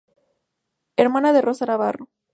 Hermana de Rosa Navarro.